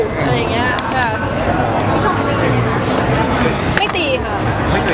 พี่ชมตีเหรอ